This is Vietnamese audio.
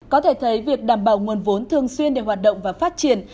có thể thấy việc đảm bảo nguồn vốn thường xuyên để hoạt động và phát triển